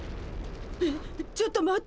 えっちょっと待って。